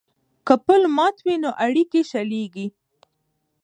که پل مات وي نو اړیکې شلیږي.